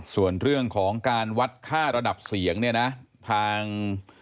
ส่วนเรื่องของการวัดค่าระดับเสียง